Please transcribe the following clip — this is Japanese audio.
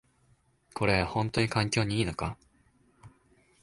これ、ほんとに環境にいいのか？